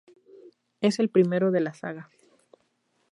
Es el primero de la saga.